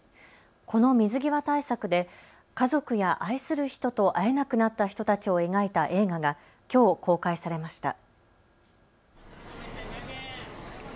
この水際対策で家族や愛する人と会えなくなった人たちを描いた映画がきょう公開されました。